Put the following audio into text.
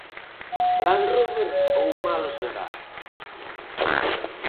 Land Rober ou "Malo será!?".